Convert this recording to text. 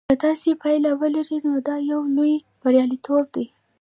که داسې پایله ولري نو دا یو لوی بریالیتوب دی.